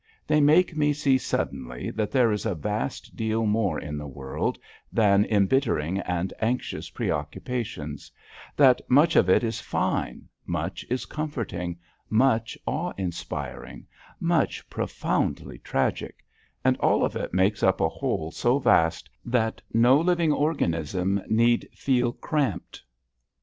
They make me see suddenly that there is a vast deal more in the world than embittering and anxious preoccupations, that much of it is fine, much is comforting, much awe inspiring, much profoundly tragic, and all of it makes up a whole so vast that no living organism need feel cramped.